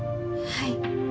はい。